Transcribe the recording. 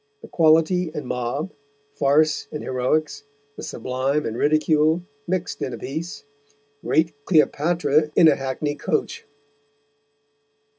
The Quality and Mob, Farce and Heroicks, the Sublime and Ridicule mixt in a Piece, great Cleopatra in a Hackney Coach."